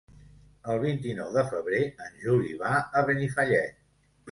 El vint-i-nou de febrer en Juli va a Benifallet.